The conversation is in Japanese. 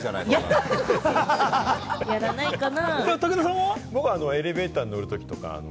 やらないかな。